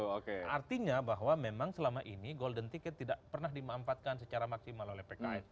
oke artinya bahwa memang selama ini golden ticket tidak pernah dimampatkan secara maksimal oleh pks